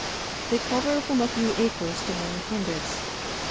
They cover from a few acres to many hundreds.